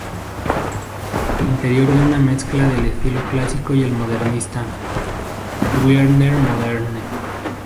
El interior era una mezcla del estilo clásico y el modernista "Wiener Moderne".